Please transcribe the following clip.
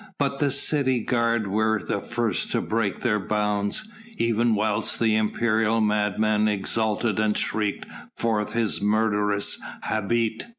But the city guard were the first to break their bounds. Even whilst the imperial madman exulted and shrieked forth his murderous "Habet!"